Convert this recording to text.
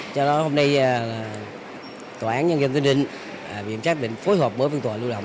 cho đó hôm nay tòa án nhân dân tuyên định viện trác định phối hợp với phương tòa lưu động